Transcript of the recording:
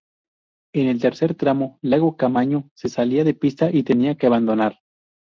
En el tercer tramo, Iago Caamaño se salía de pista y tenía que abandonar.